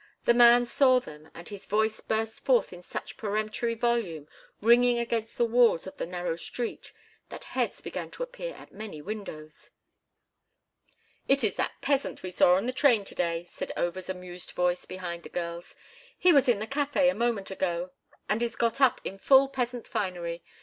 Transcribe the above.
The man saw them and his voice burst forth in such peremptory volume, ringing against the walls of the narrow street, that heads began to appear at many windows. "It is that peasant we saw on the train to day," said Over's amused voice behind the girls. "He was in the café a moment ago and is got up in full peasant finery.